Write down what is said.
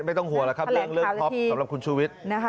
ไม่ต้องห่วงแล้วครับเรื่องเรื่องพร้อมสำหรับคุณชุวิต